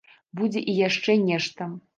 Будзе і яшчэ нешта.